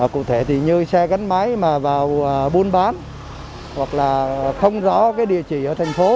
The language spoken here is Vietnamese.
cụ thể thì như xe gắn máy mà vào buôn bán hoặc là không rõ cái địa chỉ ở thành phố